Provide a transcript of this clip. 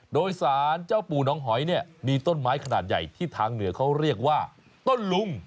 โดยสารเจ้าปู่น้องหอยเนี่ยมีต้นไม้ขนาดใหญ่ที่ทางเหนือเขาเรียกว่าต้นลุง